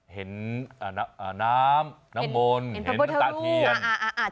เห็นน้ำน้ำมนต์เห็นน้ำตาเทียน